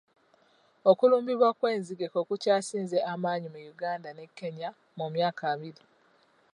Okulumbibwa kw'enzige kwe kukyasinze amannyi mu Uganga ne Kenya mu myaka abiri.